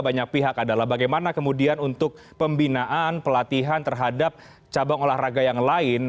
banyak pihak adalah bagaimana kemudian untuk pembinaan pelatihan terhadap cabang olahraga yang lain